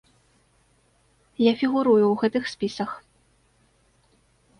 Я фігурую ў гэтых спісах.